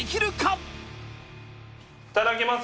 「いただきます」